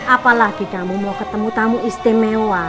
apalagi kamu mau ketemu tamu istimewa